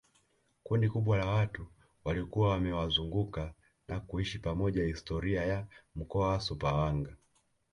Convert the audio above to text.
kundi kubwa la watu waliokuwa wamewazunguka na kuishi pamoja historia ya mkoa wa sumbawanga